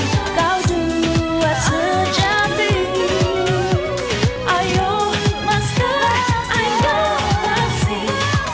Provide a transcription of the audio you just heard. tiada yang dapat